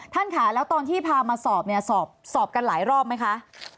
ค่ะแล้วตอนที่พามาสอบเนี่ยสอบกันหลายรอบไหมคะ